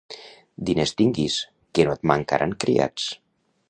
Diners tinguis, que no et mancaran criats.